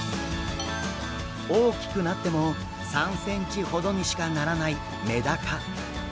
大きくなっても３ｃｍほどにしかならないメダカ。